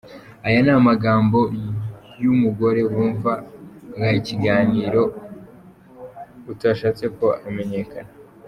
Aya ni amagambo y’umugore wumvaga iki kiganiro utashatse ko amenyekana.